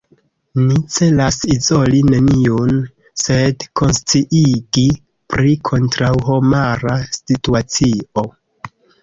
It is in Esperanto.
Ni celas izoli neniun, sed konsciigi pri kontraŭhomara situacio.